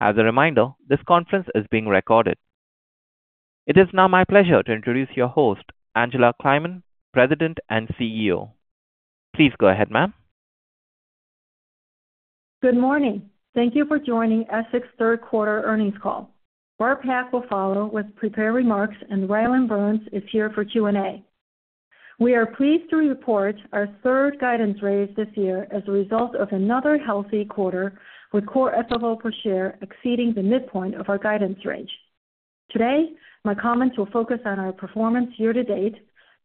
As a reminder, this conference is being recorded. It is now my pleasure to introduce your host, Angela Kleiman, President and CEO. Please go ahead, ma'am. Good morning. Thank you for joining Essex's Third Quarter Earnings Call. Barb Pak will follow with prepared remarks, and Rylan Burns is here for Q&A. We are pleased to report our third guidance raise this year as a result of another healthy quarter, with Core FFO per share exceeding the midpoint of our guidance range. Today, my comments will focus on our performance year-to-date,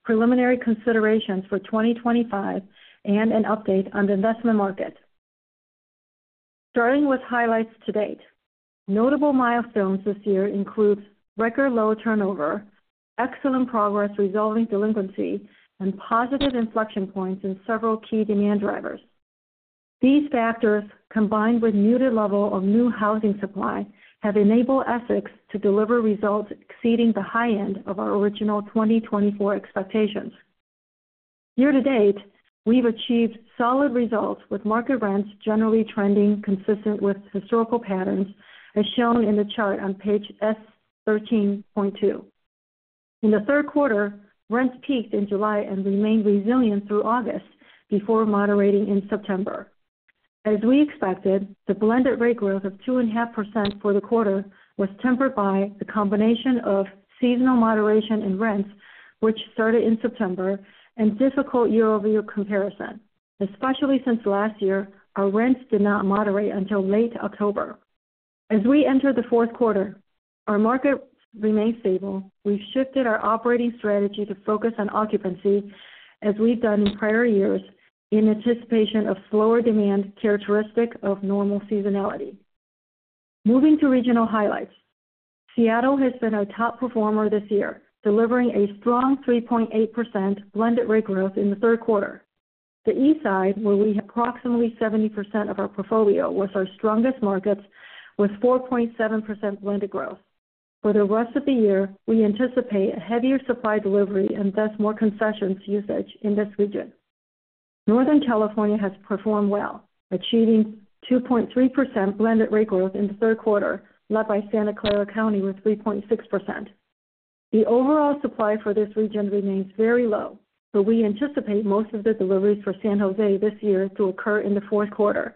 preliminary considerations for 2025, and an update on the investment market. Starting with highlights to date, notable milestones this year include record low turnover, excellent progress resolving delinquency, and positive inflection points in several key demand drivers. These factors, combined with muted level of new housing supply, have enabled Essex to deliver results exceeding the high end of our original 2024 expectations. Year-to-date, we've achieved solid results, with market rents generally trending consistent with historical patterns, as shown in the chart on page S13.2. In the third quarter, rents peaked in July and remained resilient through August before moderating in September. As we expected, the blended rate growth of 2.5% for the quarter was tempered by the combination of seasonal moderation in rents, which started in September, and difficult year-over-year comparison, especially since last year our rents did not moderate until late October. As we enter the fourth quarter, our market remains stable. We've shifted our operating strategy to focus on occupancy, as we've done in prior years, in anticipation of slower demand characteristic of normal seasonality. Moving to regional highlights, Seattle has been our top performer this year, delivering a strong 3.8% blended rate growth in the third quarter. The Eastside, where we have approximately 70% of our portfolio, was our strongest market, with 4.7% blended growth. For the rest of the year, we anticipate heavier supply delivery and thus more concessions usage in this region. Northern California has performed well, achieving 2.3% blended rate growth in the third quarter, led by Santa Clara County with 3.6%. The overall supply for this region remains very low, but we anticipate most of the deliveries for San Jose this year to occur in the fourth quarter.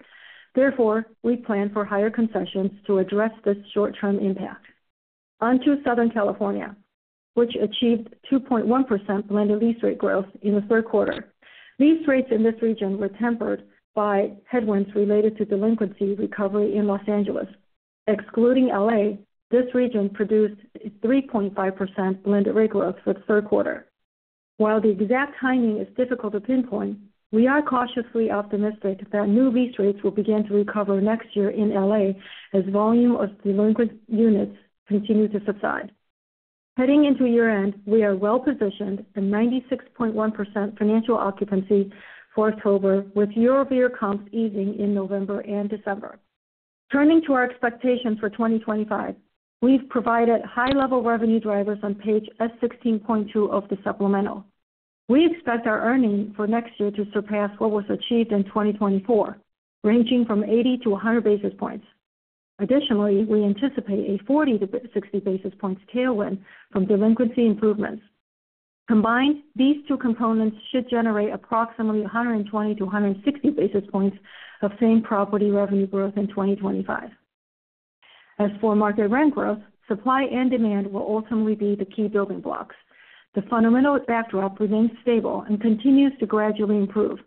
Therefore, we plan for higher concessions to address this short-term impact. On to Southern California, which achieved 2.1% blended lease rate growth in the third quarter. Lease rates in this region were tempered by headwinds related to delinquency recovery in Los Angeles. Excluding LA, this region produced 3.5% blended rate growth for the third quarter. While the exact timing is difficult to pinpoint, we are cautiously optimistic that new lease rates will begin to recover next year in LA as volume of delinquent units continue to subside. Heading into year-end, we are well-positioned at 96.1% financial occupancy for October, with year-over-year comps easing in November and December. Turning to our expectations for 2025, we've provided high-level revenue drivers on page S16.2 of the supplemental. We expect our earnings for next year to surpass what was achieved in 2024, ranging from 80 to 100 basis points. Additionally, we anticipate a 40-60 basis points tailwind from delinquency improvements. Combined, these two components should generate approximately 120 to 160 basis points of same property revenue growth in 2025. As for market rent growth, supply and demand will ultimately be the key building blocks. The fundamental backdrop remains stable and continues to gradually improve.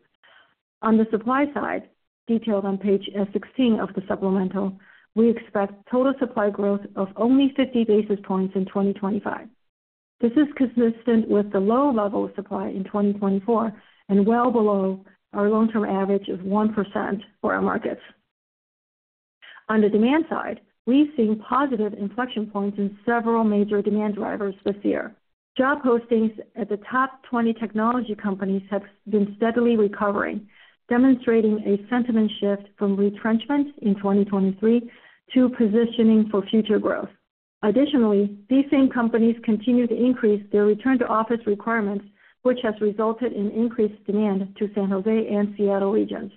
On the supply side, detailed on page S16 of the supplemental, we expect total supply growth of only 50 basis points in 2025. This is consistent with the low level of supply in 2024 and well below our long-term average of 1% for our markets. On the demand side, we've seen positive inflection points in several major demand drivers this year. Job postings at the top 20 technology companies have been steadily recovering, demonstrating a sentiment shift from retrenchment in 2023 to positioning for future growth. Additionally, these same companies continue to increase their return-to-office requirements, which has resulted in increased demand to San Jose and Seattle regions.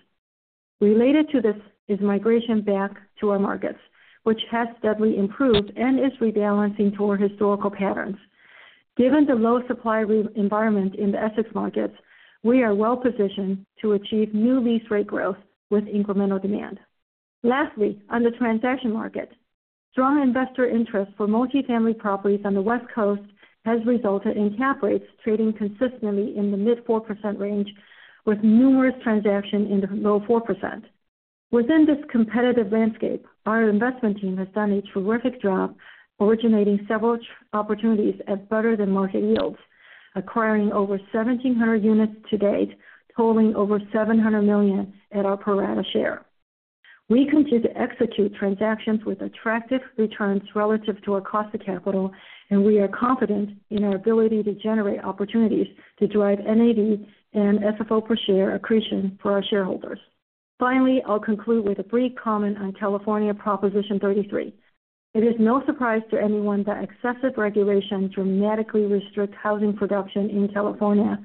Related to this is migration back to our markets, which has steadily improved and is rebalancing to our historical patterns. Given the low supply environment in the Essex markets, we are well-positioned to achieve new lease rate growth with incremental demand. Lastly, on the transaction market, strong investor interest for multifamily properties on the West Coast has resulted in cap rates trading consistently in the mid-4% range, with numerous transactions in the low 4%. Within this competitive landscape, our investment team has done a terrific job, originating several opportunities at better-than-market yields, acquiring over 1,700 units to date, totaling over $700 million at our per annum share. We continue to execute transactions with attractive returns relative to our cost of capital, and we are confident in our ability to generate opportunities to drive NAV and FFO per share accretion for our shareholders. Finally, I'll conclude with a brief comment on California Proposition 33. It is no surprise to anyone that excessive regulation dramatically restricts housing production in California,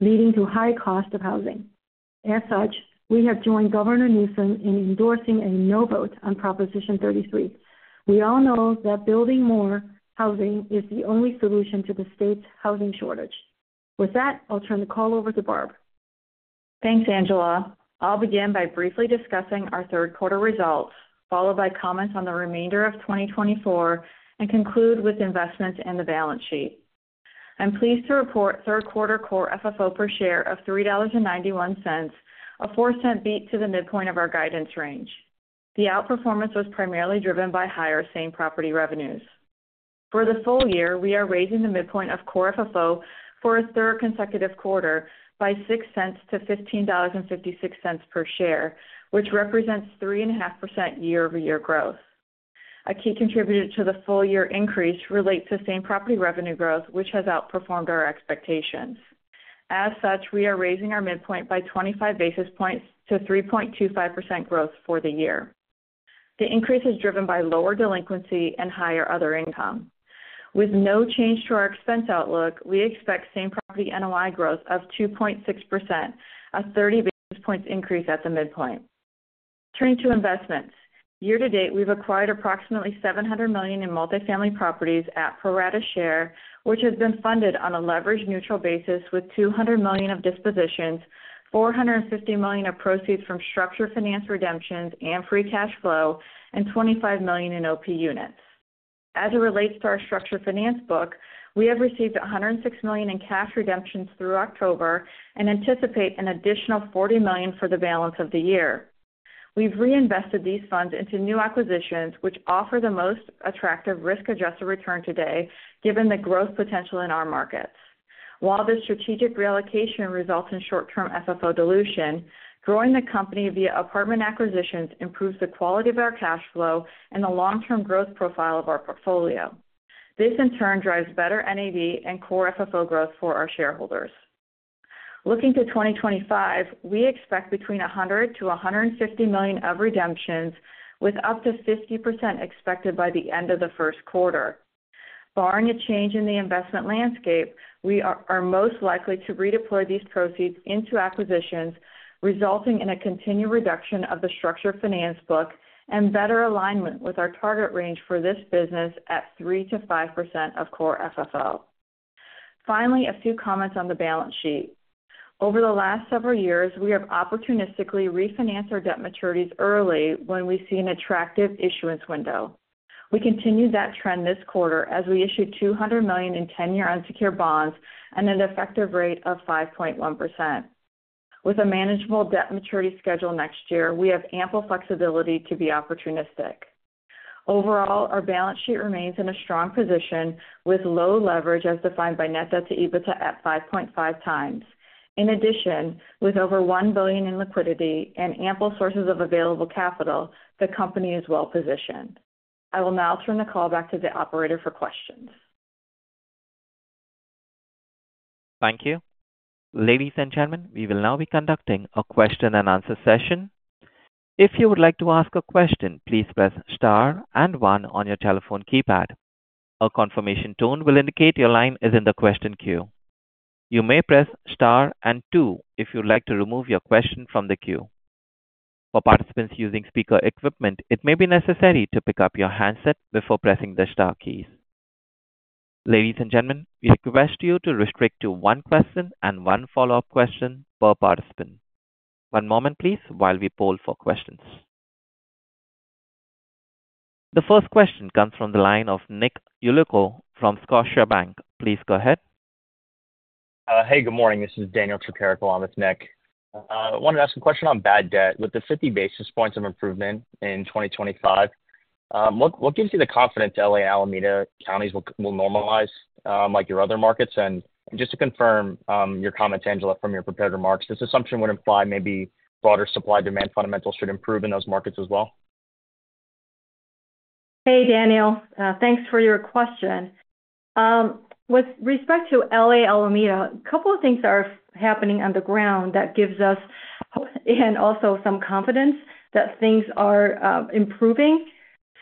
leading to high cost of housing. As such, we have joined Governor Newsom in endorsing a no-vote on Proposition 33. We all know that building more housing is the only solution to the state's housing shortage. With that, I'll turn the call over to Barb. Thanks, Angela. I'll begin by briefly discussing our third quarter results, followed by comments on the remainder of 2024, and conclude with investments and the balance sheet. I'm pleased to report third quarter Core FFO per share of $3.91, a $0.04 beat to the midpoint of our guidance range. The outperformance was primarily driven by higher same property revenues. For the full year, we are raising the midpoint of Core FFO for a third consecutive quarter by $0.06 to $15.56 per share, which represents 3.5% year-over-year growth. A key contributor to the full-year increase relates to same property revenue growth, which has outperformed our expectations. As such, we are raising our midpoint by 25 basis points to 3.25% growth for the year. The increase is driven by lower delinquency and higher other income. With no change to our expense outlook, we expect same property NOI growth of 2.6%, a 30 basis points increase at the midpoint. Turning to investments, year-to-date, we've acquired approximately $700 million in multifamily properties at per unit share, which has been funded on a leverage neutral basis with $200 million of dispositions, $450 million of proceeds from structured finance redemptions and free cash flow, and $25 million in OP units. As it relates to our structured finance book, we have received $106 million in cash redemptions through October and anticipate an additional $40 million for the balance of the year. We've reinvested these funds into new acquisitions, which offer the most attractive risk-adjusted return today, given the growth potential in our markets. While this strategic reallocation results in short-term FFO dilution, growing the company via apartment acquisitions improves the quality of our cash flow and the long-term growth profile of our portfolio. This, in turn, drives better NAV and core FFO growth for our shareholders. Looking to 2025, we expect between $100 million- $150 million of redemptions, with up to 50% expected by the end of the first quarter. Barring a change in the investment landscape, we are most likely to redeploy these proceeds into acquisitions, resulting in a continued reduction of the structured finance book and better alignment with our target range for this business at 3%-5% of core FFO. Finally, a few comments on the balance sheet. Over the last several years, we have opportunistically refinanced our debt maturities early when we see an attractive issuance window. We continue that trend this quarter as we issue $200 million in 10-year unsecured bonds at an effective rate of 5.1%. With a manageable debt maturity schedule next year, we have ample flexibility to be opportunistic. Overall, our balance sheet remains in a strong position with low leverage, as defined by net debt to EBITDA, at 5.5 times. In addition, with over $1 billion in liquidity and ample sources of available capital, the company is well-positioned. I will now turn the call back to the operator for questions. Thank you. Ladies and gentlemen, we will now be conducting a question-and-answer session. If you would like to ask a question, please press star and one on your telephone keypad. A confirmation tone will indicate your line is in the question queue. You may press star and two if you'd like to remove your question from the queue. For participants using speaker equipment, it may be necessary to pick up your handset before pressing the star keys. Ladies and gentlemen, we request you to restrict to one question and one follow-up question per participant. One moment, please, while we poll for questions. The first question comes from the line of Nick Yulico from Scotiabank. Please go ahead. Hey, good morning. This is Daniel Corkery. I'm with Nick. I wanted to ask a question on bad debt. With the 50 basis points of improvement in 2025, what gives you the confidence that LA and Alameda counties will normalize like your other markets? And just to confirm your comments, Angela, from your prepared remarks, this assumption would imply maybe broader supply-demand fundamentals should improve in those markets as well? Hey, Daniel. Thanks for your question. With respect to LA and Alameda, a couple of things that are happening on the ground that gives us and also some confidence that things are improving.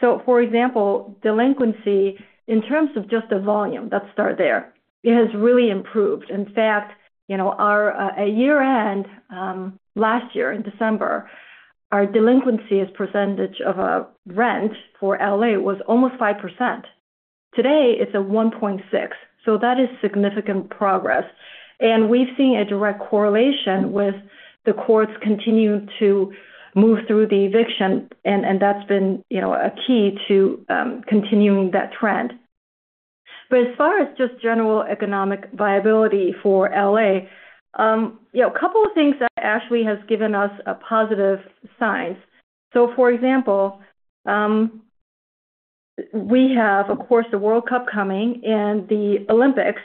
So, for example, delinquency, in terms of just the volume, let's start there, it has really improved. In fact, at year-end last year in December, our delinquency percentage of rent for LA was almost 5%. Today, it's at 1.6%. So that is significant progress. And we've seen a direct correlation with the courts continuing to move through the eviction, and that's been a key to continuing that trend. But as far as just general economic viability for LA, a couple of things that actually have given us positive signs. So, for example, we have, of course, the World Cup coming and the Olympics.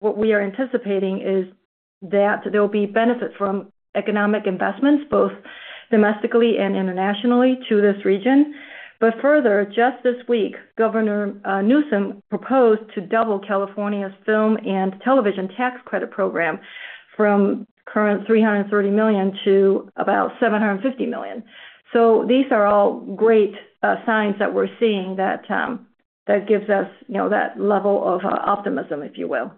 What we are anticipating is that there will be benefits from economic investments, both domestically and internationally, to this region. Further, just this week, Governor Newsom proposed to double California's film and television tax credit program from current $330 million to about $750 million. These are all great signs that we're seeing that give us that level of optimism, if you will.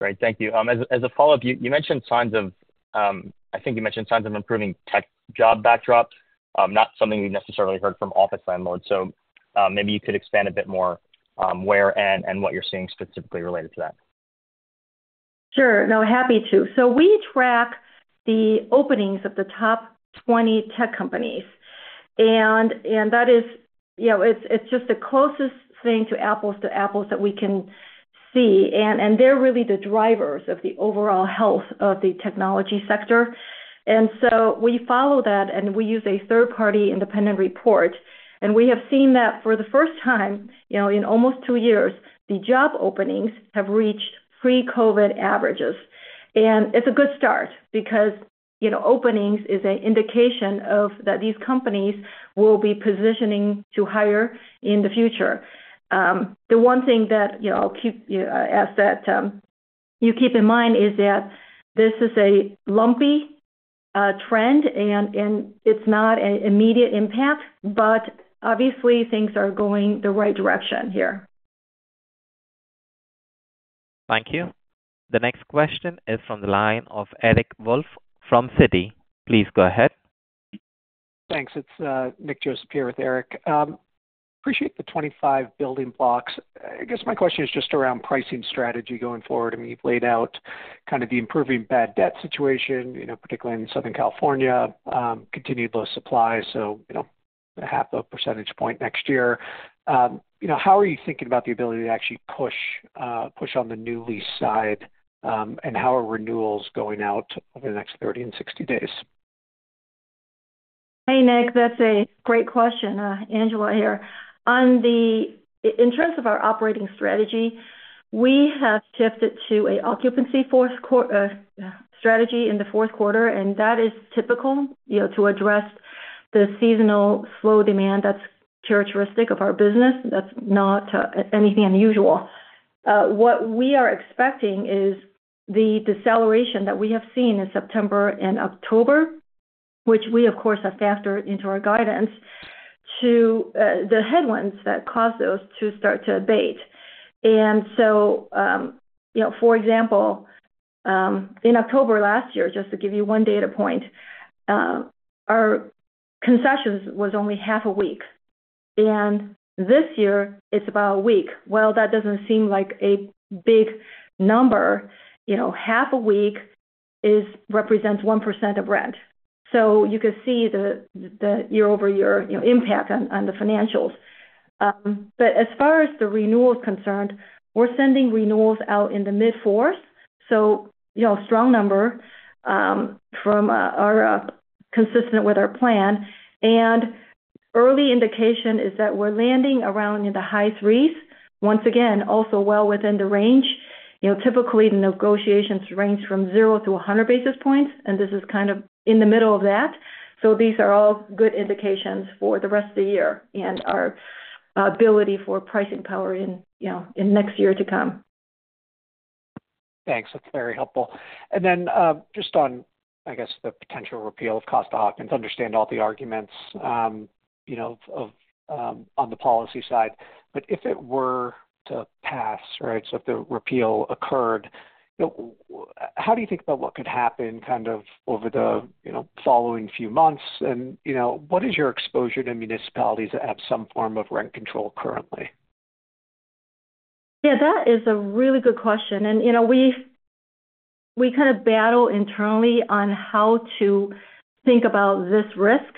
Great. Thank you. As a follow-up, I think you mentioned signs of improving tech job backdrop, not something we've necessarily heard from office landlords. So maybe you could expand a bit more where and what you're seeing specifically related to that. Sure. No, happy to. So we track the openings of the top 20 tech companies. And that is, it's just the closest thing to apples to apples that we can see. And they're really the drivers of the overall health of the technology sector. And so we follow that, and we use a third-party independent report. And we have seen that for the first time in almost two years, the job openings have reached pre-COVID averages. And it's a good start because openings is an indication that these companies will be positioning to hire in the future. The one thing that I'll ask that you keep in mind is that this is a lumpy trend, and it's not an immediate impact, but obviously, things are going the right direction here. Thank you. The next question is from the line of Eric Wolfe from Citi. Please go ahead. Thanks. It's Nick Joseph here with Eric. Appreciate the 25 building blocks. I guess my question is just around pricing strategy going forward. I mean, you've laid out kind of the improving bad debt situation, particularly in Southern California, continued low supply, so a half a percentage point next year. How are you thinking about the ability to actually push on the new lease side, and how are renewals going out over the next 30 and 60 days? Hey, Nick. That's a great question, Angela here. In terms of our operating strategy, we have shifted to an occupancy strategy in the fourth quarter, and that is typical to address the seasonal slow demand that's characteristic of our business. That's not anything unusual. What we are expecting is the deceleration that we have seen in September and October, which we, of course, have factored into our guidance, to the headwinds that caused those to start to abate. And so, for example, in October last year, just to give you one data point, our concessions was only half a week. And this year, it's about a week. Well, that doesn't seem like a big number. Half a week represents 1% of rent. So you can see the year-over-year impact on the financials. But as far as the renewals concerned, we're sending renewals out in the mid-4s. So, strong number from us consistent with our plan. And early indication is that we're landing around in the high 3s. Once again, also well within the range. Typically, the negotiations range from 0 to 100 basis points, and this is kind of in the middle of that. So these are all good indications for the rest of the year and our ability for pricing power in next year to come. Thanks. That's very helpful. And then just on, I guess, the potential repeal of Costa-Hawkins. Understand all the arguments on the policy side. But if it were to pass, right, so if the repeal occurred, how do you think about what could happen kind of over the following few months? And what is your exposure to municipalities that have some form of rent control currently? Yeah, that is a really good question. And we kind of battle internally on how to think about this risk.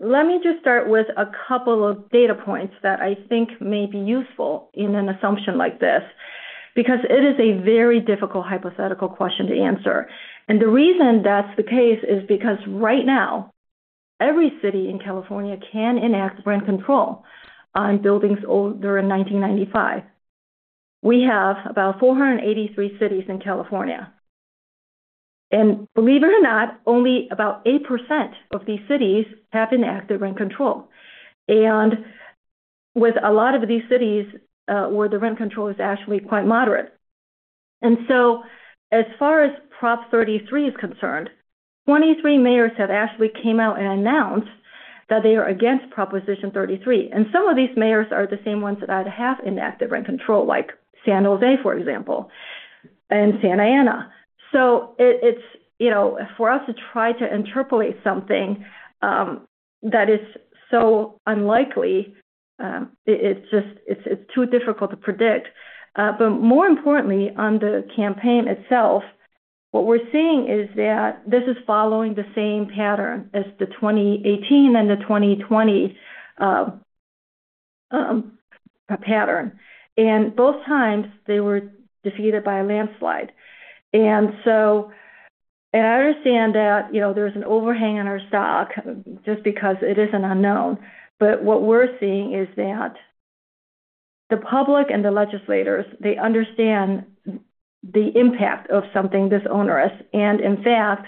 Let me just start with a couple of data points that I think may be useful in an assumption like this because it is a very difficult hypothetical question to answer. And the reason that's the case is because right now, every city in California can enact rent control on buildings older than 1995. We have about 483 cities in California. And believe it or not, only about 8% of these cities have enacted rent control. And with a lot of these cities where the rent control is actually quite moderate. And so as far as Prop 33 is concerned, 23 mayors have actually come out and announced that they are against Proposition 33. And some of these mayors are the same ones that have enacted rent control, like San Jose, for example, and Santa Ana. So for us to try to interpolate something that is so unlikely, it's too difficult to predict. But more importantly, on the campaign itself, what we're seeing is that this is following the same pattern as the 2018 and the 2020 pattern. And both times, they were defeated by a landslide. And I understand that there's an overhang on our stock just because it is an unknown. But what we're seeing is that the public and the legislators, they understand the impact of something that's onerous. And in fact,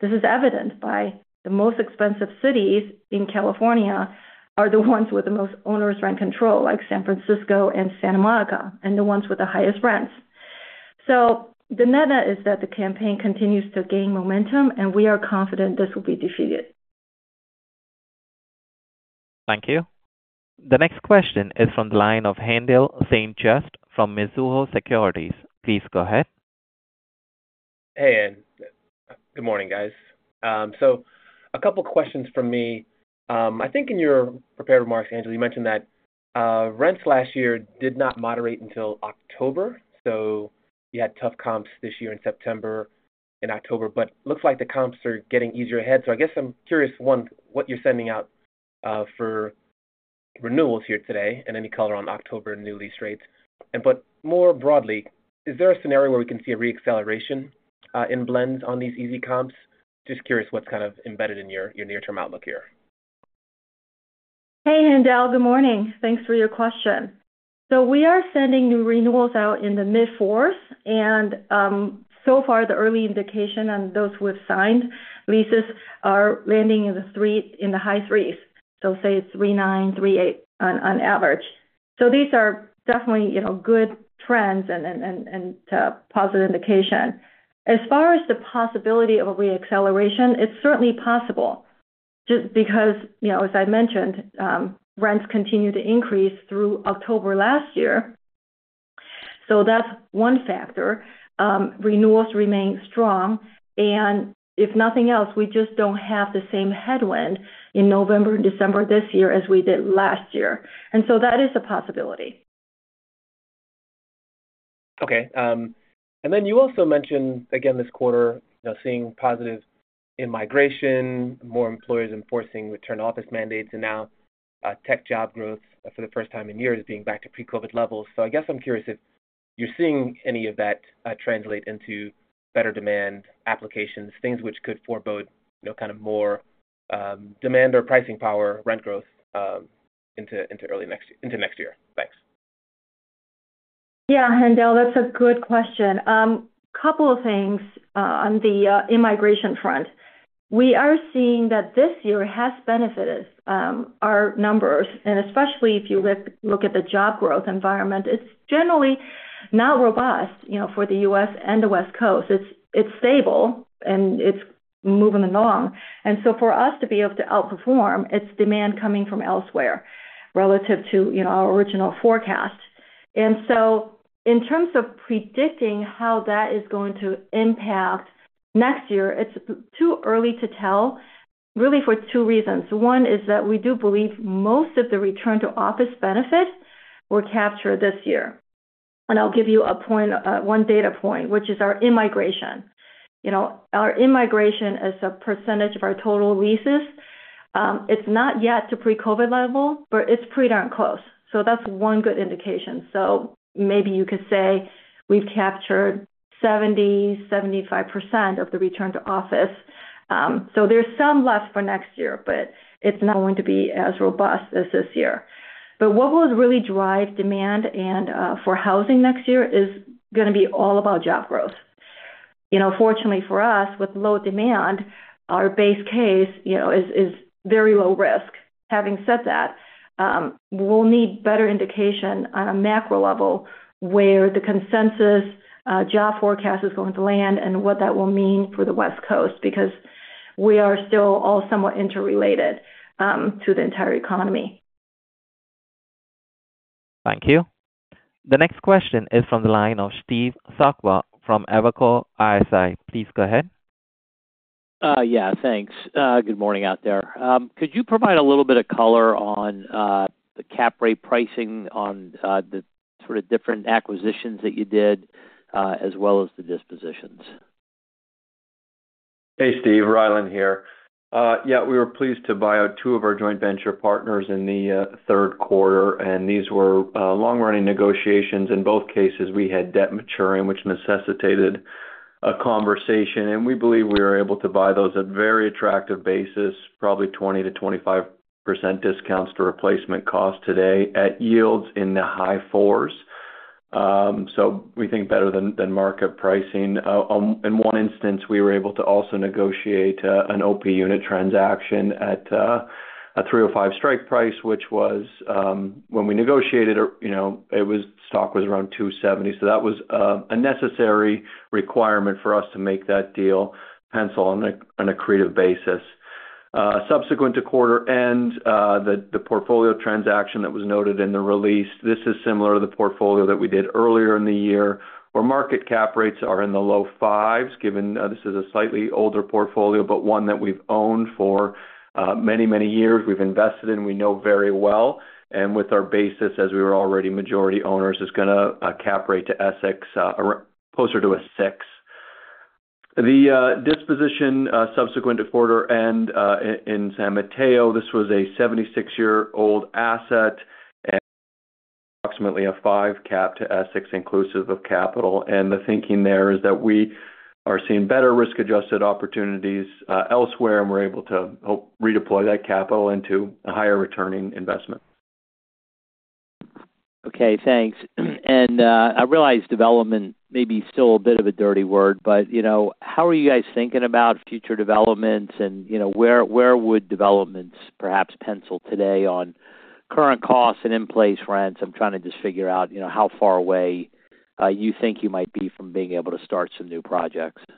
this is evident by the most expensive cities in California are the ones with the most onerous rent control, like San Francisco and Santa Monica, and the ones with the highest rents. The net is that the campaign continues to gain momentum, and we are confident this will be defeated. Thank you. The next question is from the line of Haendel St. Juste from Mizuho Securities. Please go ahead. Hey, and good morning, guys. So a couple of questions from me. I think in your prepared remarks, Angela, you mentioned that rents last year did not moderate until October. So you had tough comps this year in September and October. But it looks like the comps are getting easier ahead. So I guess I'm curious, one, what you're sending out for renewals here today and any color on October new lease rates. But more broadly, is there a scenario where we can see a reacceleration in blends on these easy comps? Just curious what's kind of embedded in your near-term outlook here. Hey, Handel. Good morning. Thanks for your question. So we are sending new renewals out in the mid-4s. And so far, the early indication on those with signed leases are landing in the high 3s, so say 3.9, 3.8 on average. So these are definitely good trends and positive indication. As far as the possibility of a reacceleration, it's certainly possible just because, as I mentioned, rents continue to increase through October last year. So that's one factor. Renewals remain strong. And if nothing else, we just don't have the same headwind in November and December this year as we did last year. And so that is a possibility. Okay. And then you also mentioned, again, this quarter, seeing positives in migration, more employers enforcing return-to-office mandates, and now tech job growth for the first time in years being back to pre-COVID levels. So I guess I'm curious if you're seeing any of that translate into better demand applications, things which could forebode kind of more demand or pricing power rent growth into next year. Thanks. Yeah, Handel, that's a good question. A couple of things on the immigration front. We are seeing that this year has benefited our numbers. And especially if you look at the job growth environment, it's generally not robust for the U.S. and the West Coast. It's stable, and it's moving along. And so for us to be able to outperform, it's demand coming from elsewhere relative to our original forecast. And so in terms of predicting how that is going to impact next year, it's too early to tell, really, for two reasons. One is that we do believe most of the return-to-office benefits were captured this year. And I'll give you one data point, which is our immigration. Our immigration is a percentage of our total leases. It's not yet to pre-COVID level, but it's pretty darn close. So that's one good indication. Maybe you could say we've captured 70%,75% of the return-to-office. So there's some left for next year, but it's not going to be as robust as this year. But what will really drive demand for housing next year is going to be all about job growth. Fortunately for us, with low demand, our base case is very low risk. Having said that, we'll need better indication on a macro level where the consensus job forecast is going to land and what that will mean for the West Coast because we are still all somewhat interrelated to the entire economy. Thank you. The next question is from the line of Steve Sakwa from Evercore ISI. Please go ahead. Yeah, thanks. Good morning out there. Could you provide a little bit of color on the cap rate pricing on the sort of different acquisitions that you did, as well as the dispositions? Hey, Steve. Rylan here. Yeah, we were pleased to buy out two of our joint venture partners in the third quarter. And these were long-running negotiations. In both cases, we had debt maturing, which necessitated a conversation. And we believe we were able to buy those at very attractive bases, probably 20%-25% discounts to replacement cost today at yields in the high 4s. So we think better than market pricing. In one instance, we were able to also negotiate an OP unit transaction at a $305 strike price, which was when we negotiated, stock was around $270. So that was a necessary requirement for us to make that deal, hence on a creative basis. Subsequent to quarter end, the portfolio transaction that was noted in the release. This is similar to the portfolio that we did earlier in the year, where market cap rates are in the low 5s, given this is a slightly older portfolio, but one that we've owned for many, many years. We've invested in, we know very well. And with our basis, as we were already majority owners, is going to cap rate to Essex closer to a six. The disposition subsequent to quarter end in San Mateo, this was a 76-year-old asset and approximately a five cap to Essex inclusive of capital. And the thinking there is that we are seeing better risk-adjusted opportunities elsewhere, and we're able to redeploy that capital into a higher returning investment. Okay, thanks. And I realize development may be still a bit of a dirty word, but how are you guys thinking about future developments? And where would developments perhaps pencil today on current costs and in-place rents? I'm trying to just figure out how far away you think you might be from being able to start some new projects. Yeah,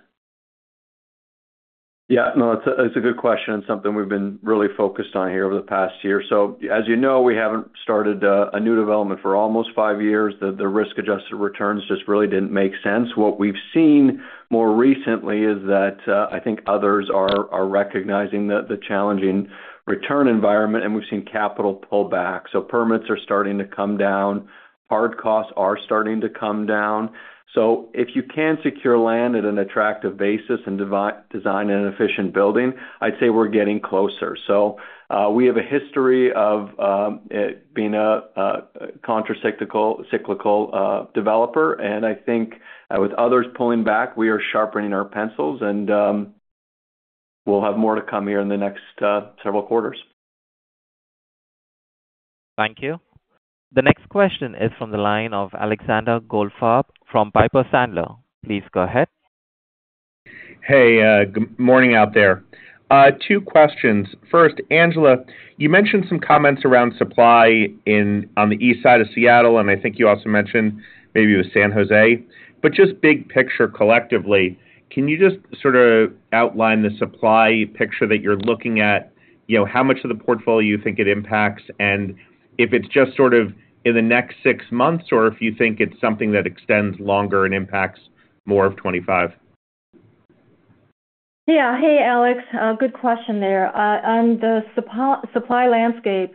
no, it's a good question and something we've been really focused on here over the past year. So as you know, we haven't started a new development for almost five years. The risk-adjusted returns just really didn't make sense. What we've seen more recently is that I think others are recognizing the challenging return environment, and we've seen capital pullback. So permits are starting to come down. Hard costs are starting to come down. So if you can secure land at an attractive basis and design an efficient building, I'd say we're getting closer. So we have a history of being a countercyclical developer. And I think with others pulling back, we are sharpening our pencils, and we'll have more to come here in the next several quarters. Thank you. The next question is from the line of Alexander Goldfarb from Piper Sandler. Please go ahead. Hey, good morning out there. Two questions. First, Angela, you mentioned some comments around supply on the east side of Seattle, and I think you also mentioned maybe it was San Jose. But just big picture collectively, can you just sort of outline the supply picture that you're looking at? How much of the portfolio you think it impacts? And if it's just sort of in the next six months, or if you think it's something that extends longer and impacts more of 25? Yeah. Hey, Alex. Good question there. On the supply landscape,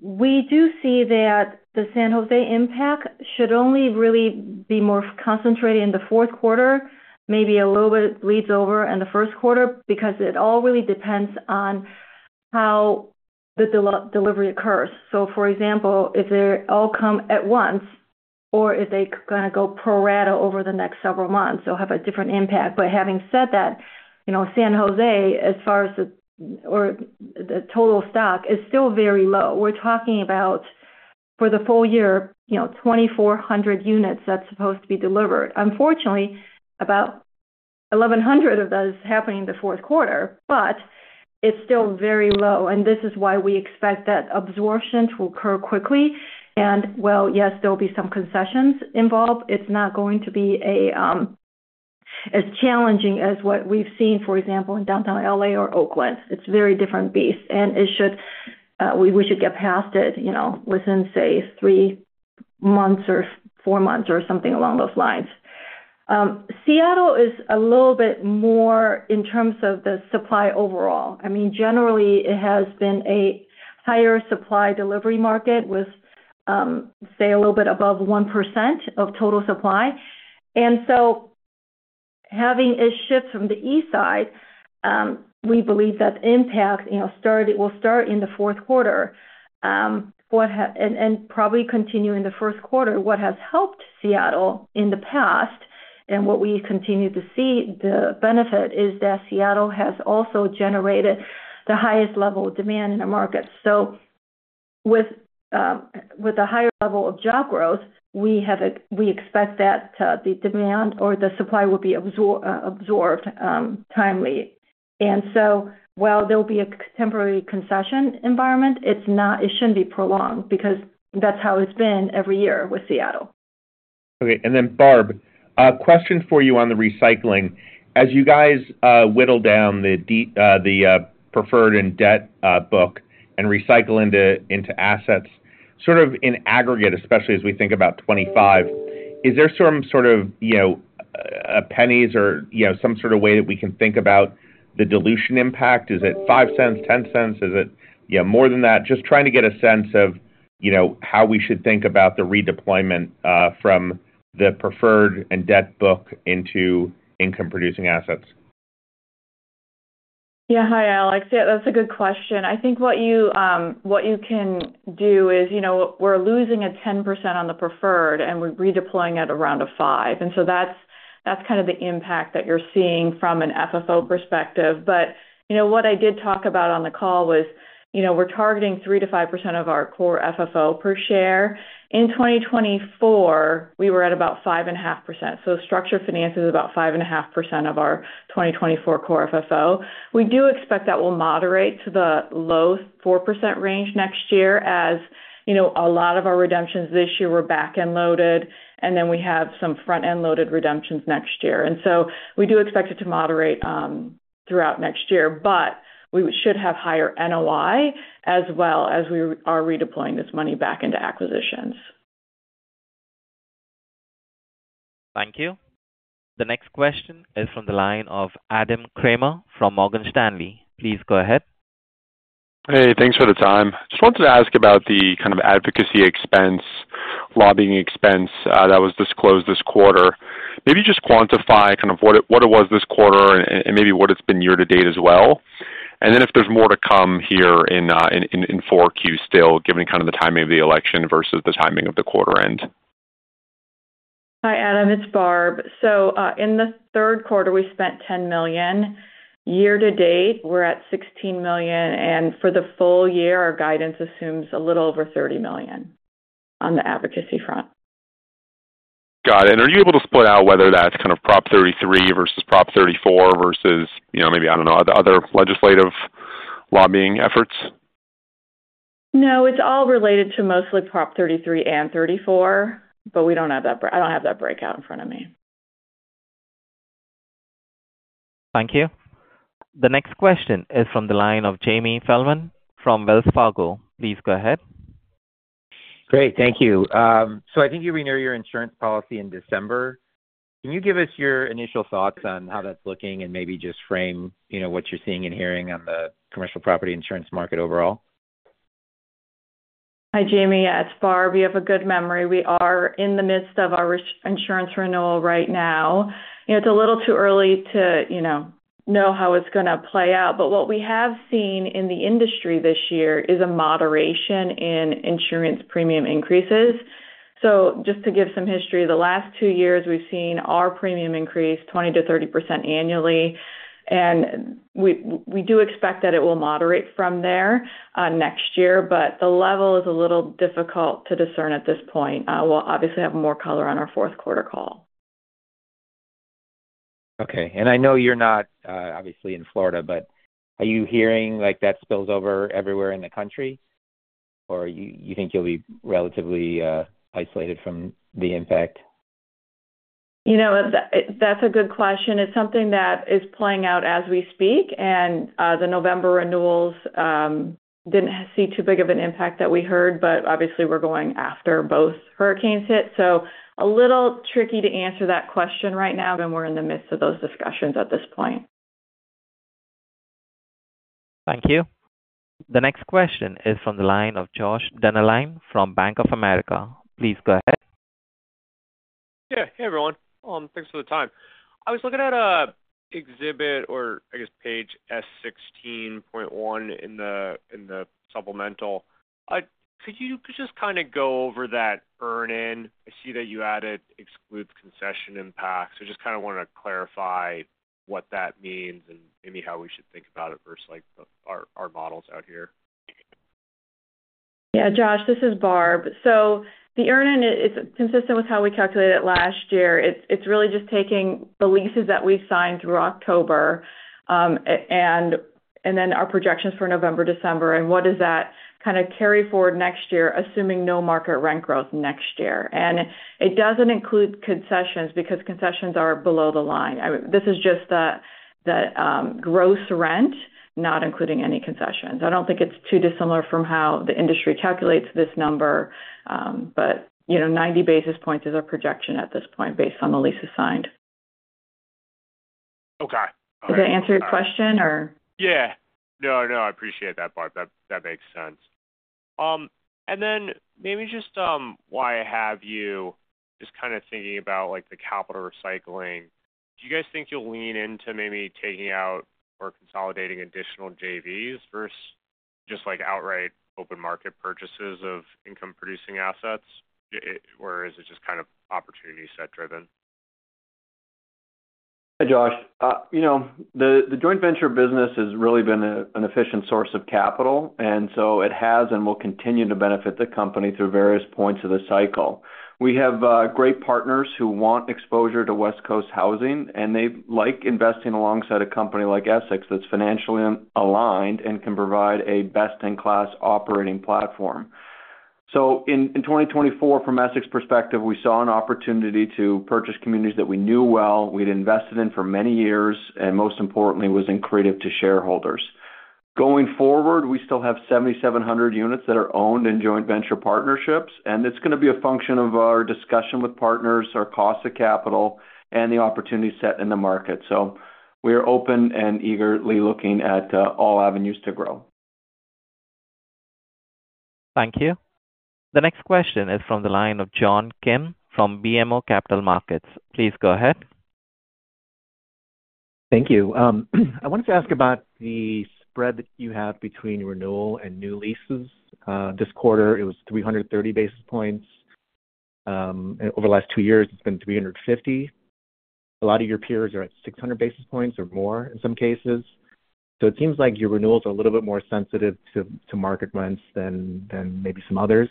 we do see that the San Jose impact should only really be more concentrated in the fourth quarter, maybe a little bit bleeds over in the first quarter because it all really depends on how the delivery occurs. So for example, if they all come at once or if they're going to go pro rata over the next several months, they'll have a different impact. But having said that, San Jose, as far as the total stock, is still very low. We're talking about for the full year, 2,400 units that's supposed to be delivered. Unfortunately, about 1,100 of those happening in the fourth quarter, but it's still very low. And this is why we expect that absorption to occur quickly. And well, yes, there'll be some concessions involved. It's not going to be as challenging as what we've seen, for example, in downtown LA or Oakland. It's very different beasts, and we should get past it within, say, three months or four months or something along those lines. Seattle is a little bit more in terms of the supply overall. I mean, generally, it has been a higher supply delivery market with, say, a little bit above 1% of total supply, and so having a shift from the East Side, we believe that impact will start in the fourth quarter and probably continue in the first quarter. What has helped Seattle in the past and what we continue to see the benefit is that Seattle has also generated the highest level of demand in the market, so with a higher level of job growth, we expect that the demand or the supply will be absorbed timely. While there'll be a temporary concession environment, it shouldn't be prolonged because that's how it's been every year with Seattle. Okay. And then Barb, question for you on the recycling. As you guys whittle down the preferred and debt book and recycle into assets, sort of in aggregate, especially as we think about 2025, is there some sort of pennies or some sort of way that we can think about the dilution impact? Is it $0.05, $0.10? Is it more than that? Just trying to get a sense of how we should think about the redeployment from the preferred and debt book into income-producing assets. Yeah. Hi, Alex. Yeah, that's a good question. I think what you can do is we're losing 10% on the preferred, and we're redeploying at around 5%. And so that's kind of the impact that you're seeing from an FFO perspective. But what I did talk about on the call was we're targeting 3%-5% of our core FFO per share. In 2024, we were at about 5.5%. So structured finance is about 5.5% of our 2024 core FFO. We do expect that will moderate to the low 4% range next year as a lot of our redemptions this year were back-end loaded, and then we have some front-end loaded redemptions next year. And so we do expect it to moderate throughout next year, but we should have higher NOI as well as we are redeploying this money back into acquisitions. Thank you. The next question is from the line of Adam Kramer from Morgan Stanley. Please go ahead. Hey, thanks for the time. Just wanted to ask about the kind of advocacy expense, lobbying expense that was disclosed this quarter. Maybe just quantify kind of what it was this quarter and maybe what it's been year to date as well, and then if there's more to come here in 4Q still, given kind of the timing of the election versus the timing of the quarter end. Hi, Adam. It's Barb. So in the third quarter, we spent $10 million. Year to date, we're at $16 million. And for the full year, our guidance assumes a little over $30 million on the advocacy front. Got it. And are you able to split out whether that's kind of Prop 33 versus Prop 34 versus maybe, I don't know, other legislative lobbying efforts? No, it's all related to mostly Prop 33 and 34, but we don't have that. I don't have that breakout in front of me. Thank you. The next question is from the line of Jamie Feldman from Wells Fargo. Please go ahead. Great. Thank you. So I think you renewed your insurance policy in December. Can you give us your initial thoughts on how that's looking and maybe just frame what you're seeing and hearing on the commercial property insurance market overall? Hi, Jamie. It's Barb. You have a good memory. We are in the midst of our insurance renewal right now. It's a little too early to know how it's going to play out. But what we have seen in the industry this year is a moderation in insurance premium increases. So just to give some history, the last two years, we've seen our premium increase 20%-30% annually. And we do expect that it will moderate from there next year, but the level is a little difficult to discern at this point. We'll obviously have more color on our fourth quarter call. Okay. And I know you're not obviously in Florida, but are you hearing that spills over everywhere in the country, or you think you'll be relatively isolated from the impact? You know what? That's a good question. It's something that is playing out as we speak. And the November renewals didn't see too big of an impact that we heard, but obviously, we're going after both hurricanes hit. So a little tricky to answer that question right now. And we're in the midst of those discussions at this point. Thank you. The next question is from the line of Josh Dennerlein from Bank of America. Please go ahead. Yeah. Hey, everyone. Thanks for the time. I was looking at exhibit or, I guess, page S16.1 in the supplemental. Could you just kind of go over that earn-in? I see that you added exclude concession impact. So just kind of want to clarify what that means and maybe how we should think about it versus our models out here. Yeah, Josh, this is Barb. So the earn-in is consistent with how we calculated it last year. It's really just taking the leases that we signed through October and then our projections for November, December, and what does that kind of carry forward next year, assuming no market rent growth next year. And it doesn't include concessions because concessions are below the line. This is just the gross rent, not including any concessions. I don't think it's too dissimilar from how the industry calculates this number, but 90 basis points is our projection at this point based on the leases signed. Okay. Does that answer your question, or? Yeah. No, no. I appreciate that, Barb. That makes sense. And then maybe just while I have you just kind of thinking about the capital recycling, do you guys think you'll lean into maybe taking out or consolidating additional JVs versus just outright open market purchases of income-producing assets, or is it just kind of opportunity set driven? Hi, Josh. The joint venture business has really been an efficient source of capital, and so it has and will continue to benefit the company through various points of the cycle. We have great partners who want exposure to West Coast housing, and they like investing alongside a company like Essex that's financially aligned and can provide a best-in-class operating platform. So in 2024, from Essex's perspective, we saw an opportunity to purchase communities that we knew well, we'd invested in for many years, and most importantly, was accretive to shareholders. Going forward, we still have 7,700 units that are owned in joint venture partnerships, and it's going to be a function of our discussion with partners, our cost of capital, and the opportunity set in the market. So we are open and eagerly looking at all avenues to grow. Thank you. The next question is from the line of John Kim from BMO Capital Markets. Please go ahead. Thank you. I wanted to ask about the spread that you have between renewal and new leases. This quarter, it was 330 basis points. Over the last two years, it's been 350. A lot of your peers are at 600 basis points or more in some cases. So it seems like your renewals are a little bit more sensitive to market rents than maybe some others.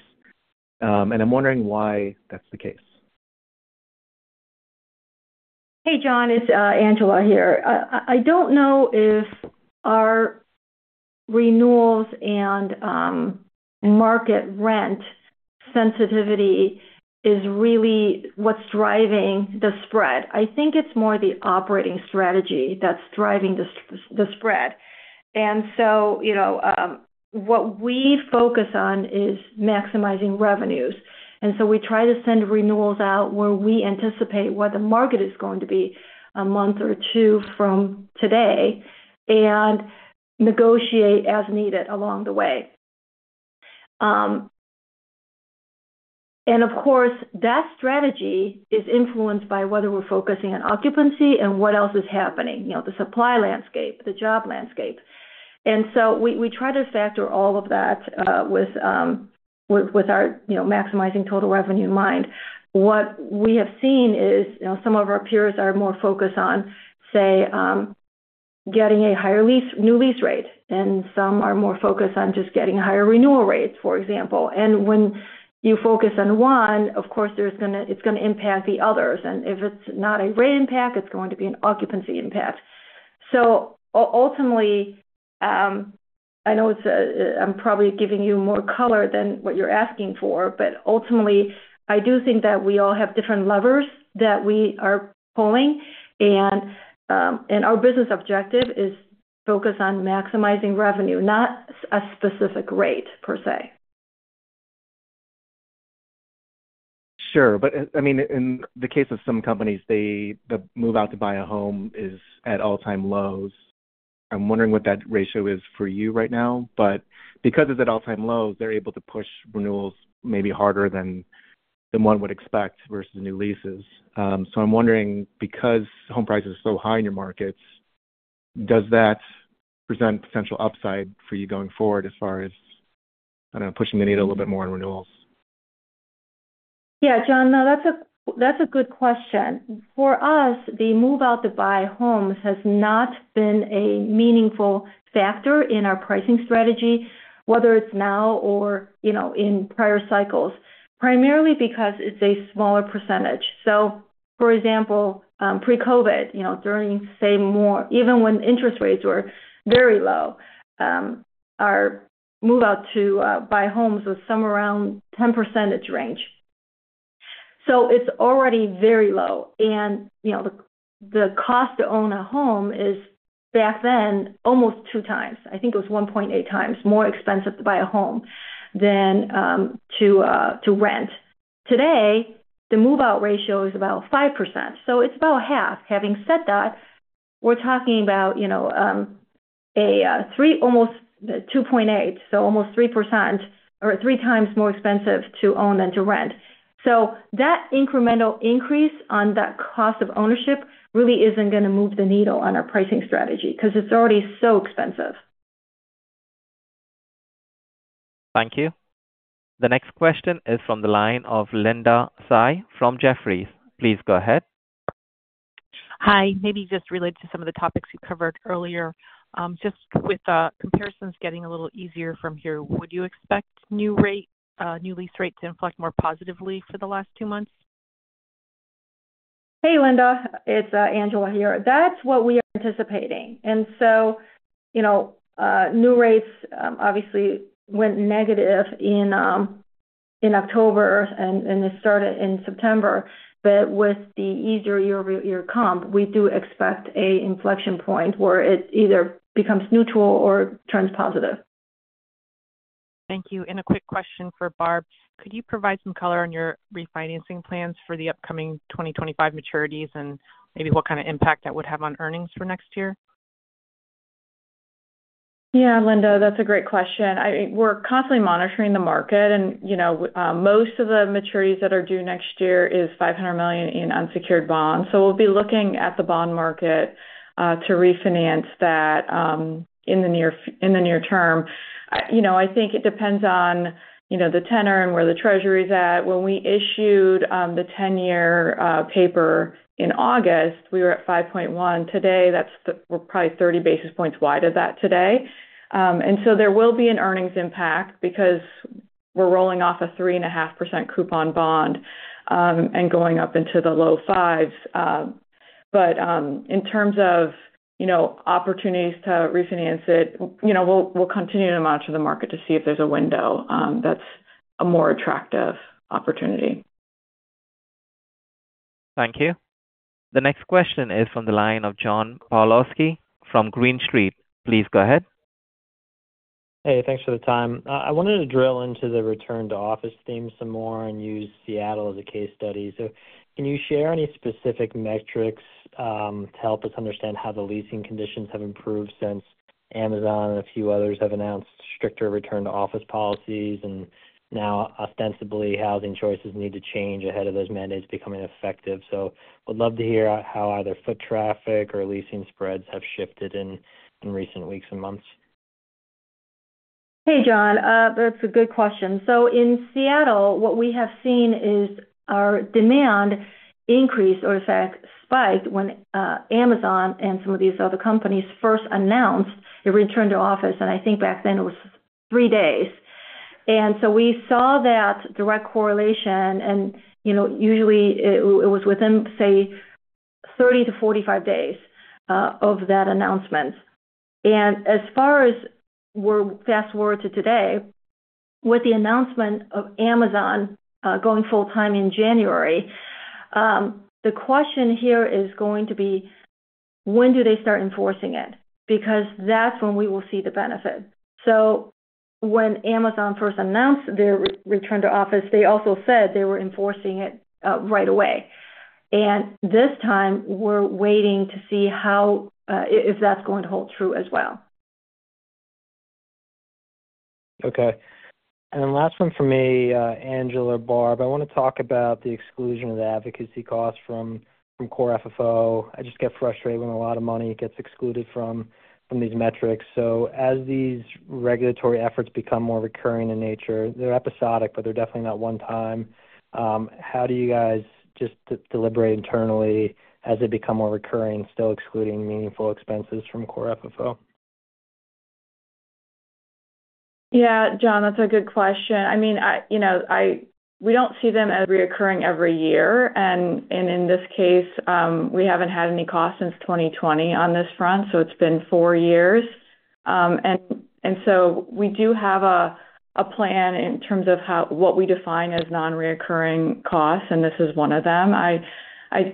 And I'm wondering why that's the case. Hey, John, it's Angela here. I don't know if our renewals and market rent sensitivity is really what's driving the spread. I think it's more the operating strategy that's driving the spread. And so what we focus on is maximizing revenues. And so we try to send renewals out where we anticipate what the market is going to be a month or two from today and negotiate as needed along the way. And of course, that strategy is influenced by whether we're focusing on occupancy and what else is happening, the supply landscape, the job landscape. And so we try to factor all of that with our maximizing total revenue in mind. What we have seen is some of our peers are more focused on, say, getting a higher new lease rate, and some are more focused on just getting higher renewal rates, for example. And when you focus on one, of course, it's going to impact the others. And if it's not a rate impact, it's going to be an occupancy impact. So ultimately, I know I'm probably giving you more color than what you're asking for, but ultimately, I do think that we all have different levers that we are pulling. And our business objective is focus on maximizing revenue, not a specific rate per se. Sure. But I mean, in the case of some companies, the move out to buy a home is at all-time lows. I'm wondering what that ratio is for you right now. But because it's at all-time lows, they're able to push renewals maybe harder than one would expect versus new leases. So I'm wondering, because home prices are so high in your markets, does that present potential upside for you going forward as far as, I don't know, pushing the needle a little bit more on renewals? Yeah, John, that's a good question. For us, the move out to buy a home has not been a meaningful factor in our pricing strategy, whether it's now or in prior cycles, primarily because it's a smaller percentage. So for example, pre-COVID, during, say, even when interest rates were very low, our move out to buy homes was somewhere around 10% range. So it's already very low. And the cost to own a home is, back then, almost two times. I think it was 1.8 times more expensive to buy a home than to rent. Today, the move-out ratio is about 5%. So it's about half. Having said that, we're talking about a almost 2.8%, so almost 3% or three times more expensive to own than to rent. So that incremental increase on that cost of ownership really isn't going to move the needle on our pricing strategy because it's already so expensive. Thank you. The next question is from the line of Linda Tsai from Jefferies. Please go ahead. Hi. Maybe just related to some of the topics you covered earlier, just with comparisons getting a little easier from here, would you expect new lease rates to inflect more positively for the last two months? Hey, Linda. It's Angela here. That's what we are anticipating. And so new rates obviously went negative in October, and they started in September. But with the easier year to come, we do expect an inflection point where it either becomes neutral or turns positive. Thank you. And a quick question for Barb. Could you provide some color on your refinancing plans for the upcoming 2025 maturities and maybe what kind of impact that would have on earnings for next year? Yeah, Linda, that's a great question. We're constantly monitoring the market, and most of the maturities that are due next year is $500 million in unsecured bonds. So we'll be looking at the bond market to refinance that in the near term. I think it depends on the tenor and where the Treasury is at. When we issued the 10-year paper in August, we were at 5.1. Today, we're probably 30 basis points wider than that today. And so there will be an earnings impact because we're rolling off a 3.5% coupon bond and going up into the low fives. But in terms of opportunities to refinance it, we'll continue to monitor the market to see if there's a window that's a more attractive opportunity. Thank you. The next question is from the line of John Pawlowski from Green Street. Please go ahead. Hey, thanks for the time. I wanted to drill into the return-to-office theme some more and use Seattle as a case study. So can you share any specific metrics to help us understand how the leasing conditions have improved since Amazon and a few others have announced stricter return-to-office policies and now ostensibly housing choices need to change ahead of those mandates becoming effective? So I would love to hear how either foot traffic or leasing spreads have shifted in recent weeks and months. Hey, John. That's a good question. So in Seattle, what we have seen is our demand increase or, in fact, spiked when Amazon and some of these other companies first announced a return-to-office. And I think back then it was three days. And so we saw that direct correlation. And usually, it was within, say, 30 to 45 days of that announcement. And as far as we're fast forward to today, with the announcement of Amazon going full-time in January, the question here is going to be, when do they start enforcing it? Because that's when we will see the benefit. So when Amazon first announced their return-to-office, they also said they were enforcing it right away. And this time, we're waiting to see if that's going to hold true as well. Okay. And last one for me, Angela and Barb. I want to talk about the exclusion of the advocacy costs from Core FFO. I just get frustrated when a lot of money gets excluded from these metrics. So as these regulatory efforts become more recurring in nature, they're episodic, but they're definitely not one-time. How do you guys just deliberate internally as they become more recurring, still excluding meaningful expenses from Core FFO? Yeah, John, that's a good question. I mean, we don't see them as recurring every year, and in this case, we haven't had any costs since 2020 on this front. So it's been four years, and so we do have a plan in terms of what we define as non-recurring costs, and this is one of them. I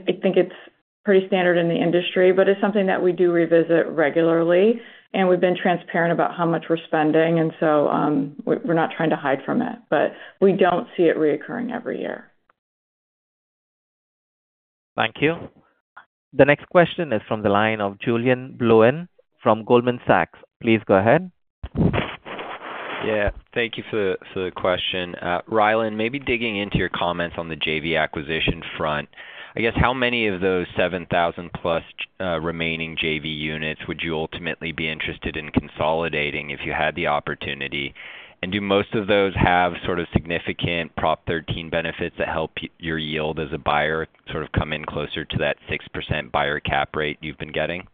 think it's pretty standard in the industry, but it's something that we do revisit regularly, and we've been transparent about how much we're spending, and so we're not trying to hide from it, but we don't see it recurring every year. Thank you. The next question is from the line of Julian Blouin from Goldman Sachs. Please go ahead. Yeah. Thank you for the question. Rylan, maybe digging into your comments on the JV acquisition front, I guess how many of those 7,000-plus remaining JV units would you ultimately be interested in consolidating if you had the opportunity? And do most of those have sort of significant Prop 13 benefits that help your yield as a buyer sort of come in closer to that 6% buyer cap rate you've been getting?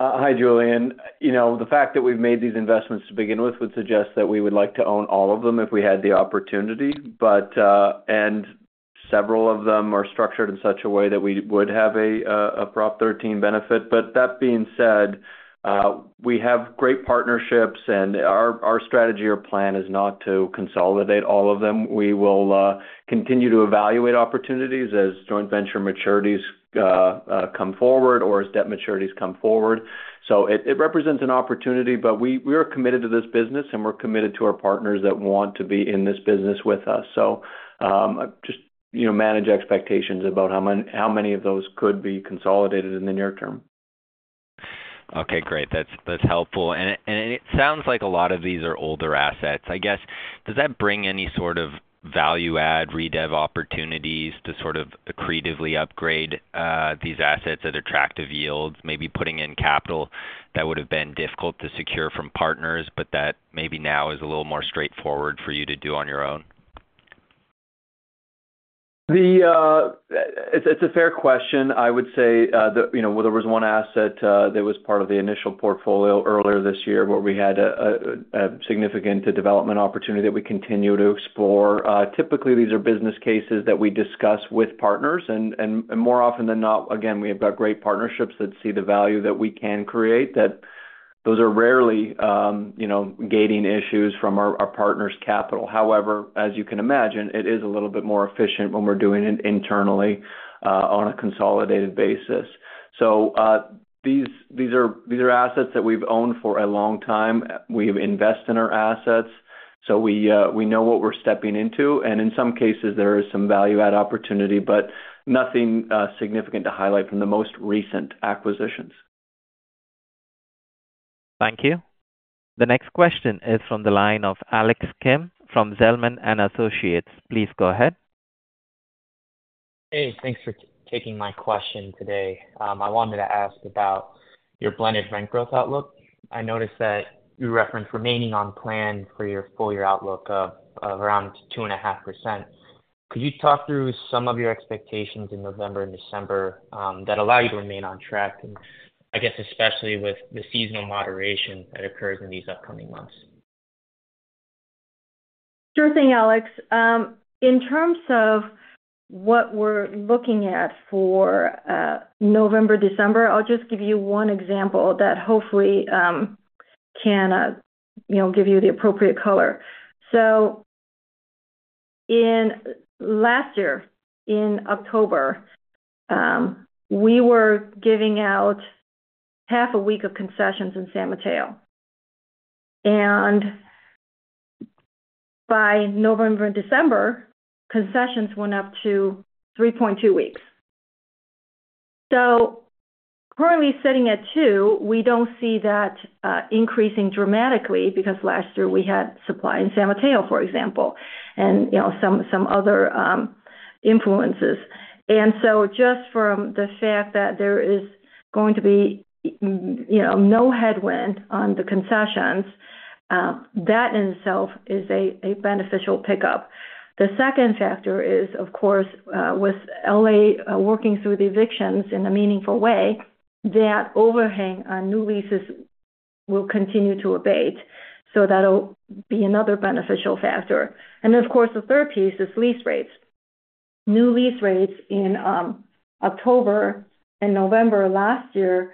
Hi, Julian. The fact that we've made these investments to begin with would suggest that we would like to own all of them if we had the opportunity. And several of them are structured in such a way that we would have a Prop 13 benefit. But that being said, we have great partnerships, and our strategy or plan is not to consolidate all of them. We will continue to evaluate opportunities as joint venture maturities come forward or as debt maturities come forward. So it represents an opportunity, but we are committed to this business, and we're committed to our partners that want to be in this business with us. So just manage expectations about how many of those could be consolidated in the near term. Okay. Great. That's helpful. And it sounds like a lot of these are older assets. I guess, does that bring any sort of value-add redev opportunities to sort of creatively upgrade these assets at attractive yields, maybe putting in capital that would have been difficult to secure from partners, but that maybe now is a little more straightforward for you to do on your own? It's a fair question. I would say there was one asset that was part of the initial portfolio earlier this year where we had a significant development opportunity that we continue to explore. Typically, these are business cases that we discuss with partners, and more often than not, again, we have got great partnerships that see the value that we can create. Those are rarely gating issues from our partner's capital. However, as you can imagine, it is a little bit more efficient when we're doing it internally on a consolidated basis, so these are assets that we've owned for a long time. We invest in our assets, so we know what we're stepping into, and in some cases, there is some value-add opportunity, but nothing significant to highlight from the most recent acquisitions. Thank you. The next question is from the line of Alex Kim from Zelman & Associates. Please go ahead. Hey, thanks for taking my question today. I wanted to ask about your blended rent growth outlook. I noticed that you referenced remaining on plan for your full-year outlook of around 2.5%. Could you talk through some of your expectations in November and December that allow you to remain on track, and I guess especially with the seasonal moderation that occurs in these upcoming months? Sure thing, Alex. In terms of what we're looking at for November, December, I'll just give you one example that hopefully can give you the appropriate color. So last year, in October, we were giving out half a week of concessions in San Mateo. And by November and December, concessions went up to 3.2 weeks. So currently sitting at two, we don't see that increasing dramatically because last year we had supply in San Mateo, for example, and some other influences. And so just from the fact that there is going to be no headwind on the concessions, that in itself is a beneficial pickup. The second factor is, of course, with LA working through the evictions in a meaningful way, that overhang on new leases will continue to abate. So that'll be another beneficial factor. And of course, the third piece is lease rates. New lease rates in October and November last year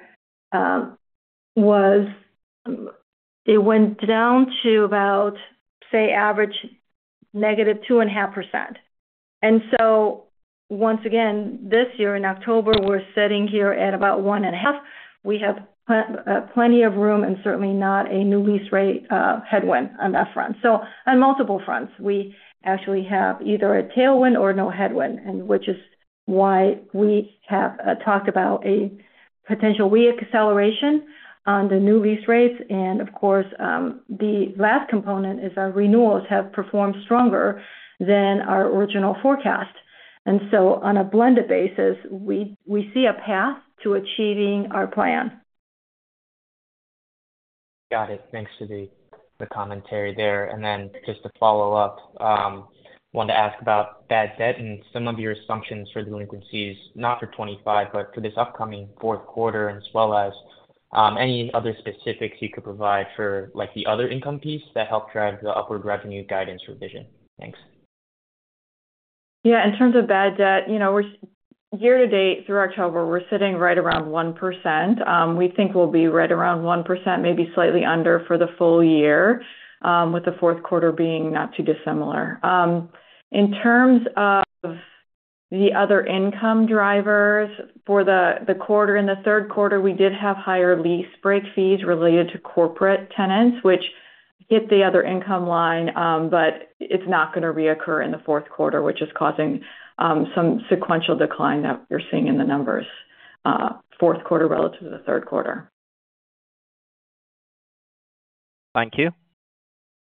was. It went down to about, say, average negative 2.5%. And so once again, this year in October, we're sitting here at about 1.5%. We have plenty of room and certainly not a new lease rate headwind on that front. So on multiple fronts, we actually have either a tailwind or no headwind, which is why we have talked about a potential reacceleration on the new lease rates. And of course, the last component is our renewals have performed stronger than our original forecast. And so on a blended basis, we see a path to achieving our plan. Got it. Thanks for the commentary there. And then just to follow up, I wanted to ask about bad debt and some of your assumptions for delinquencies, not for 2025, but for this upcoming fourth quarter, as well as any other specifics you could provide for the other income piece that helped drive the upward revenue guidance revision. Thanks. Yeah. In terms of bad debt, year to date through October, we're sitting right around 1%. We think we'll be right around 1%, maybe slightly under for the full year, with the fourth quarter being not too dissimilar. In terms of the other income drivers for the quarter, in the third quarter, we did have higher lease break fees related to corporate tenants, which hit the other income line, but it's not going to reoccur in the fourth quarter, which is causing some sequential decline that you're seeing in the numbers, fourth quarter relative to the third quarter. Thank you.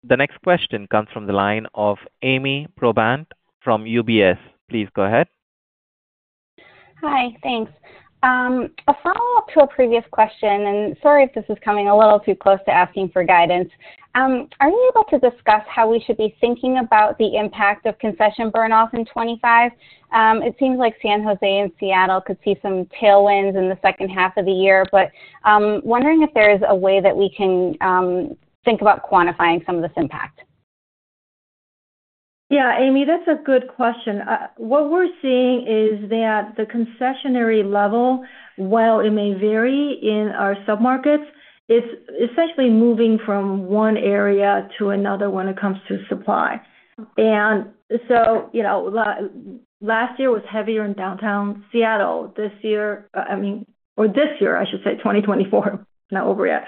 The next question comes from the line of Ami Probandt from UBS. Please go ahead. Hi. Thanks. A follow-up to a previous question, and sorry if this is coming a little too close to asking for guidance. Are you able to discuss how we should be thinking about the impact of concession burn-off in 2025? It seems like San Jose and Seattle could see some tailwinds in the second half of the year, but I'm wondering if there is a way that we can think about quantifying some of this impact. Yeah, Ami, that's a good question. What we're seeing is that the concessionary level, while it may vary in our submarkets, it's essentially moving from one area to another when it comes to supply. And so last year was heavier in downtown Seattle. This year, I mean, or this year, I should say, 2024, not over yet,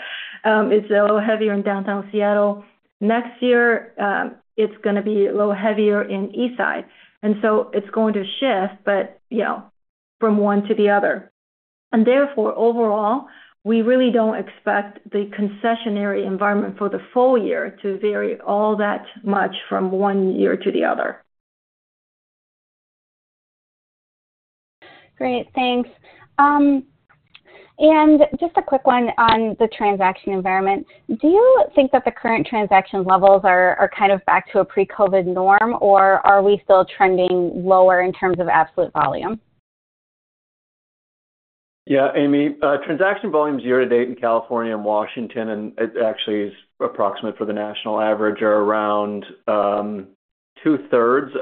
is a little heavier in downtown Seattle. Next year, it's going to be a little heavier in East Side. And so it's going to shift, but from one to the other. And therefore, overall, we really don't expect the concessionary environment for the full year to vary all that much from one year to the other. Great. Thanks. And just a quick one on the transaction environment. Do you think that the current transaction levels are kind of back to a pre-COVID norm, or are we still trending lower in terms of absolute volume? Yeah, Amy. Transaction volumes year to date in California and Washington, and it actually is approximately the national average, are around two-thirds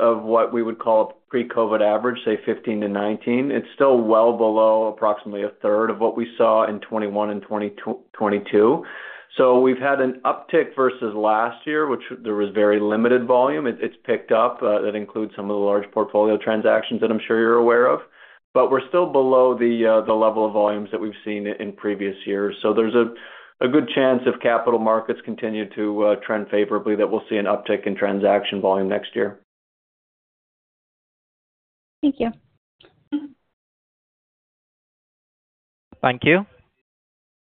of what we would call a pre-COVID average, say 15 to 19. It's still well below approximately a third of what we saw in 2021 and 2022. So we've had an uptick versus last year, which there was very limited volume. It's picked up. That includes some of the large portfolio transactions that I'm sure you're aware of. But we're still below the level of volumes that we've seen in previous years. So there's a good chance if capital markets continue to trend favorably that we'll see an uptick in transaction volume next year. Thank you. Thank you.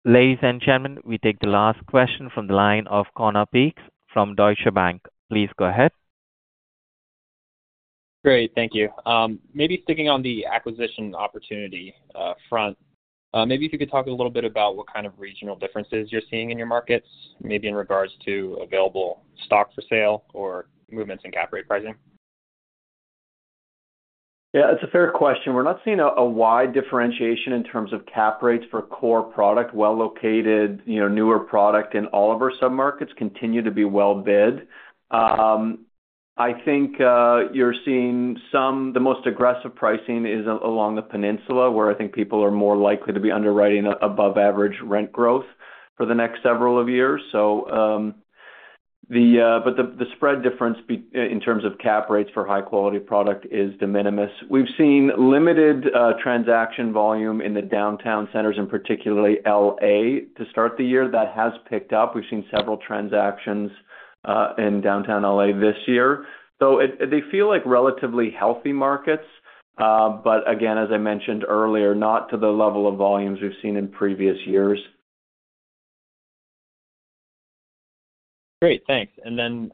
Ladies and gentlemen, we take the last question from the line of Conor Peaks from Deutsche Bank. Please go ahead. Great. Thank you. Maybe sticking on the acquisition opportunity front, maybe if you could talk a little bit about what kind of regional differences you're seeing in your markets, maybe in regards to available stock for sale or movements in cap rate pricing? Yeah. It's a fair question. We're not seeing a wide differentiation in terms of cap rates for core product, well-located, newer product in all of our submarkets continue to be well-bid. I think you're seeing some of the most aggressive pricing is along the Peninsula where I think people are more likely to be underwriting above-average rent growth for the next several years. But the spread difference in terms of cap rates for high-quality product is de minimis. We've seen limited transaction volume in the downtown centers, in particular LA, to start the year. That has picked up. We've seen several transactions in downtown LA this year. So they feel like relatively healthy markets. But again, as I mentioned earlier, not to the level of volumes we've seen in previous years. Great. Thanks. And then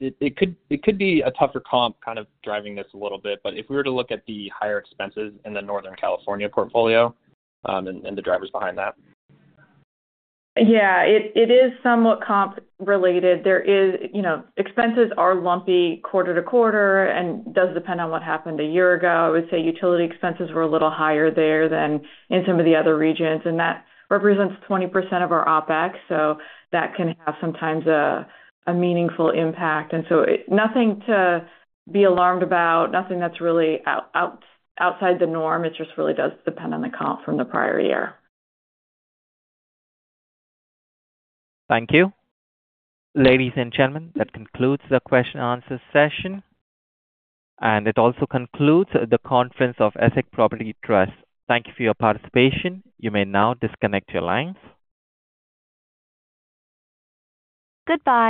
it could be a tougher comp kind of driving this a little bit, but if we were to look at the higher expenses in the Northern California portfolio and the drivers behind that. Yeah. It is somewhat comp-related. Expenses are lumpy quarter to quarter and does depend on what happened a year ago. I would say utility expenses were a little higher there than in some of the other regions. And that represents 20% of our OpEx. So that can have sometimes a meaningful impact. And so nothing to be alarmed about, nothing that's really outside the norm. It just really does depend on the comp from the prior year. Thank you. Ladies and gentlemen, that concludes the question-and-answer session. And it also concludes the conference of Essex Property Trust. Thank you for your participation. You may now disconnect your lines. Goodbye.